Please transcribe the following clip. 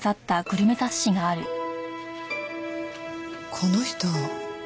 この人。